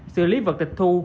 xử lý vật tịch thu